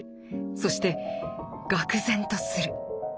そしてがく然とする。